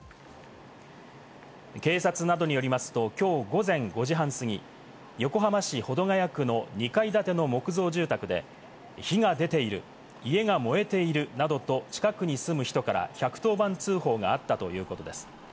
警察などによりますときょう午前５時半過ぎ、横浜市保土ケ谷区の２階建ての木造住宅で火が出ている、家が燃えているなどと近くに住む人から１１０番通報があったということです。